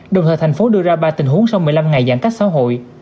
đồng thời thành phố đưa ra ba tình huống sau một mươi năm ngày giãn cách xã hội